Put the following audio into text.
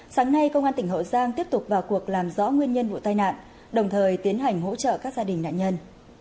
sáng nay công an tỉnh hậu giang tiếp tục vào cuộc làm rõ nguyên nhân vụ tai nạn đồng thời tiến hành hỗ trợ các gia đình nạn nhân